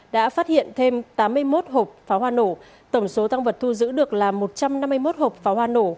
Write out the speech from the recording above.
đã phát hiện thêm tám mươi một hộp pháo hoa nổ tổng số tăng vật thu giữ được là một trăm năm mươi một hộp pháo hoa nổ